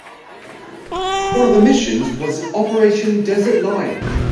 One of the missions was Operation Desert Lion.